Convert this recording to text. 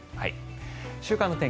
週間の天気